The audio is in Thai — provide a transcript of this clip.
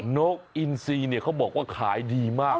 นกอินซีเนี่ยเขาบอกว่าขายดีมาก